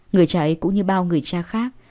người cha ấy cũng như bao người cha khác